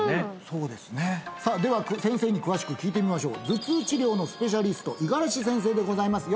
そうですねさあでは先生に詳しく聞いてみましょう頭痛治療のスペシャリスト五十嵐先生でございます